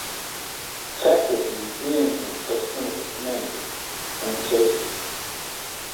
Factors influencing customer preferences and choices